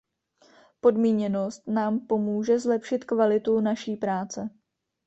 Podmíněnost nám pomůže zlepšit kvalitu naší práce.